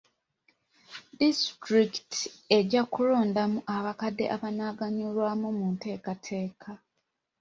Disitulikiti ejja kulondamu abakadde abanaaganyulwa mu nteekateeka.